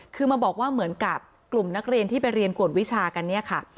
คือมาบอกว่าเหมือนกับกลุ่มนักเรียนที่ไปเรียนกวดวิชากันเนี่ยค่ะ